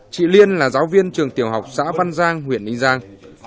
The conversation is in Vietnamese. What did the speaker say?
chị liên là giáo viên trường tiểu học xã văn giang huyện ninh giang